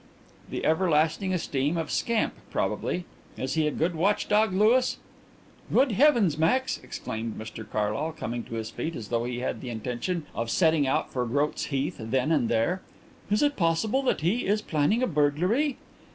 "The everlasting esteem of Scamp probably. Is he a good watch dog, Louis?" "Good heavens, Max!" exclaimed Mr Carlyle, coming to his feet as though he had the intention of setting out for Groat's Heath then and there, "is it possible that he is planning a burglary?"